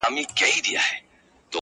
چي نه عقل او نه زور د چا رسېږي.!